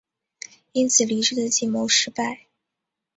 因此黎质的计谋失败。